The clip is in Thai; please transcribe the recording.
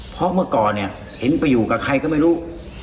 เพราะเมื่อก่อนเนี่ยเห็นไปอยู่กับใครก็ไม่รู้